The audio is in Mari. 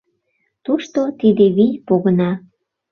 Тушто тиде вий погына.